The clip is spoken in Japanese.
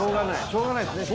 しょうがないですね。